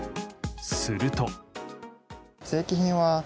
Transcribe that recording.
すると。